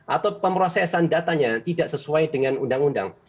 atau pemrosesan datanya tidak sesuai dengan undang undang